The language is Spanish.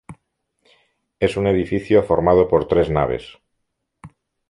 Es un edificio formado por tres naves.